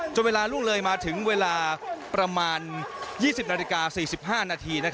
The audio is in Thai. เวลาล่วงเลยมาถึงเวลาประมาณ๒๐นาฬิกา๔๕นาที